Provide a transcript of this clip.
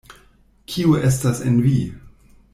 Kio estas en vi?